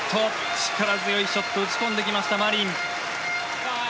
力強いショットを打ち込んできました、マリン。